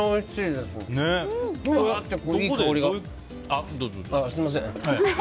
すみません。